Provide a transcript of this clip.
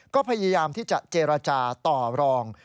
ก็พยายามที่จะเจรจาต่อรอง